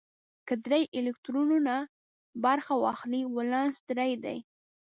که درې الکترونه برخه واخلي ولانس درې دی.